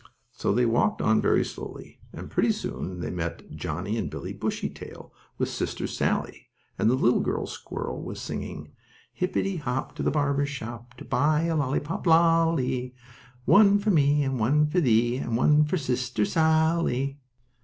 So they walked on very slowly, and pretty soon they met Johnnie and Billie Bushytail with Sister Sallie. And the little girl squirrel was singing: "Hippity hop to the barber shop To buy a lolly pop lally. One for me and one for thee And one for Sister Sallie."